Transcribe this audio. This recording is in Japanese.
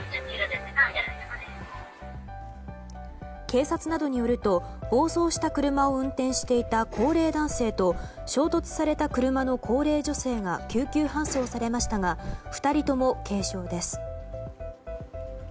警察などによると暴走した車を運転していた高齢男性と衝突された車の高齢女性が救急搬送されましたが２人とも軽傷です。